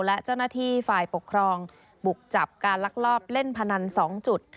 และเจ้าหน้าที่ฝ่ายปกครองบุกจับการลักลอบเล่นพนัน๒จุด